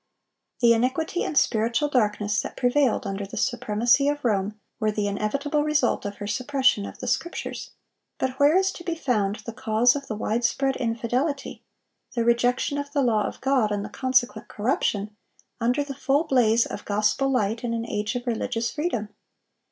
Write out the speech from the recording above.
(1024) The iniquity and spiritual darkness that prevailed under the supremacy of Rome were the inevitable result of her suppression of the Scriptures; but where is to be found the cause of the wide spread infidelity, the rejection of the law of God, and the consequent corruption, under the full blaze of gospel light in an age of religious freedom?